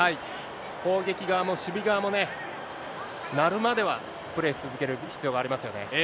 攻撃側も守備側もね、鳴るまではプレーし続ける必要がありますよ